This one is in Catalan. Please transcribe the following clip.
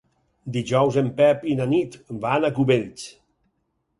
Dijous en Pep i na Nit van a Cubells.